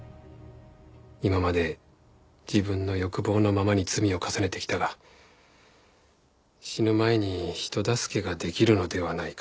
今まで自分の欲望のままに罪を重ねてきたが死ぬ前に人助けが出来るのではないか。